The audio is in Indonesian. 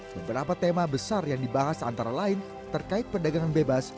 beberapa tema besar yang dibahas antara lain terkait perdagangan bebas